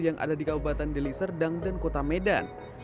yang ada di kabupaten deliserdang dan kota medan